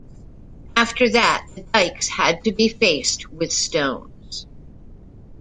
After that the dikes had to be faced with stones.